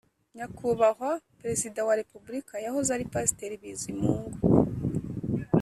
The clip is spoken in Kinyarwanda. nyakubahwa perezida wa repubulika yahoze ari pasteur bizimungu,